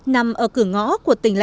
nằm ở cửa ngõ của tỉnh lạc